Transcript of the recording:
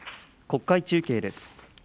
国会中継です。